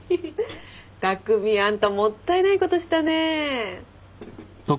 匠あんたもったいないことしたね。